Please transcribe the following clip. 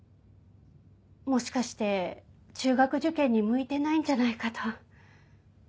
もしかして中学受験に向いてないんじゃないかと。